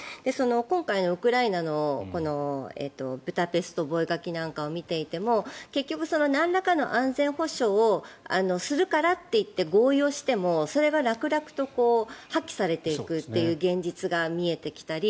今回のウクライナのブダペスト覚書なんかを見ていても結局なんらかの安全保障をするからといって合意をしてもそれが楽々と破棄されていくという現実が見えてきたり